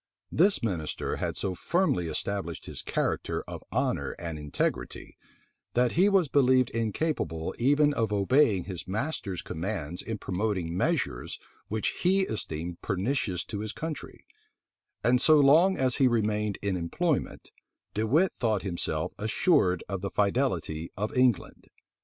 This minister had so firmly established his character of honor and integrity, that he was believed incapable even of obeying his master's commands in promoting measures which he esteemed pernicious to his country; and so long as he remained in employment, De Wit thought himself assured of the fidelity of England.